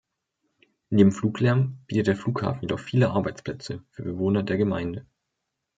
Neben Fluglärm bietet der Flughafen jedoch viele Arbeitsplätze für Bewohner der Gemeinde.